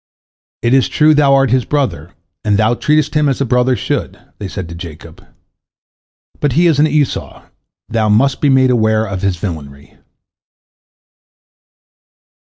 "It is true, thou art his brother, and thou treatest him as a brother should," they said to Jacob, "but he is an Esau, thou must be made aware of his villainy."